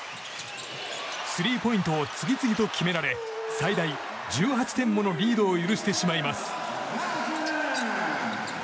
スリーポイントを次々と決められ最大１８点ものリードを許してしまいます。